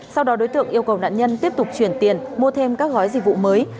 sau đó đối tượng yêu cầu nạn nhân tiếp tục chuyển tiền mua thêm các gói dịch vụ mới